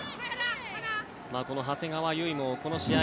この長谷川唯もこの試合